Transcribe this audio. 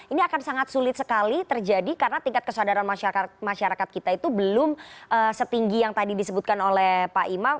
ini akan sangat sulit sekali terjadi karena tingkat kesadaran masyarakat kita itu belum setinggi yang tadi disebutkan oleh pak imam